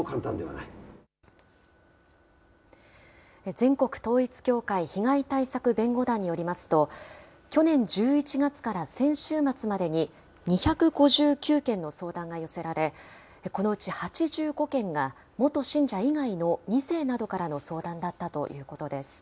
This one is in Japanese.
全国統一教会被害対策弁護団によりますと、去年１１月から先週末までに、２５９件の相談が寄せられ、このうち８５件が、元信者以外の２世などからの相談だったということです。